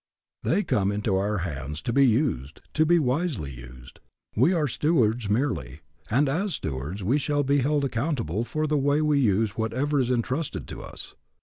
They come into our hands to be used, to be wisely used. We are stewards merely, and as stewards we shall be held accountable for the way we use whatever is entrusted to us.